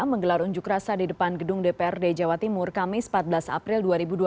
menggelar unjuk rasa di depan gedung dprd jawa timur kamis empat belas april dua ribu dua puluh